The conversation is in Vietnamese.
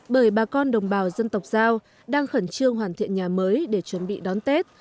bởi bà con đồng bào dân tộc giao đang khẩn trương hoàn thiện nhà mới để chuẩn bị đón tết